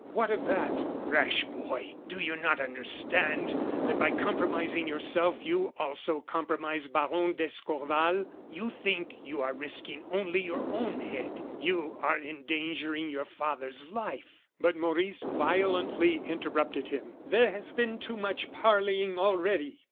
"What of that?" "Rash boy! do you not understand that by compromising yourself you also compromise Baron d'Escorval? You think you are risking only your own head; you are endangering your father's life " But Maurice violently interrupted him. "There has been too much parleying already!"